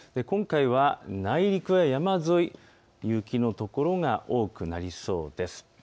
今回は内陸や山沿い、雪の所が多くなりそうです。